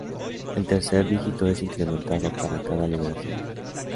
El tercer dígito es incrementado para cada liberación.